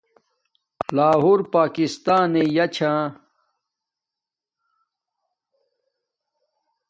لاہور پاکستانݵ ہآ چھا